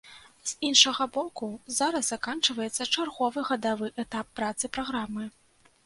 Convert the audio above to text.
З іншага боку, зараз заканчваецца чарговы гадавы этап працы праграмы.